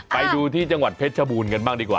ไปดูที่จังหวัดเพชรชบูรณ์กันบ้างดีกว่า